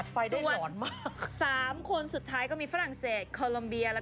ทุกคนที่ทายท่านเป็นพ่อของเรา